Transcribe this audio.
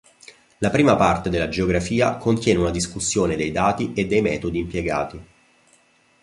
La prima parte della "Geografia" contiene una discussione dei dati e dei metodi impiegati.